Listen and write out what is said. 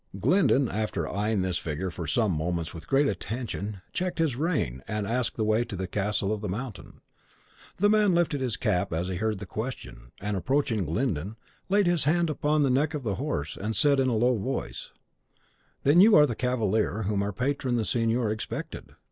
Glyndon, after eyeing this figure for some moments with great attention, checked his rein, and asked the way to the "Castle of the Mountain." The man lifted his cap as he heard the question, and, approaching Glyndon, laid his hand upon the neck of the horse, and said, in a low voice, "Then you are the cavalier whom our patron the signor expected.